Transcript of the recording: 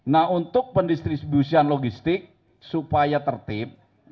nah untuk pendistribusian logistik supaya tertib